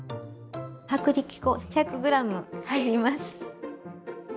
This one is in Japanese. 薄力粉１００ｇ入ります。